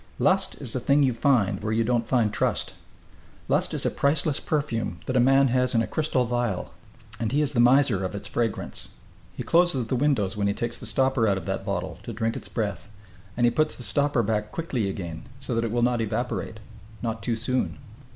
"Lust is the thing you find where you don't find trust. Lust is a priceless perfume that a man has in a crystal vial, and he is the miser of its fragrance. He closes the windows when he takes the stopper out of that bottle to drink its breath, and he puts the stopper back quickly again, so that it will not evaporate not too soon."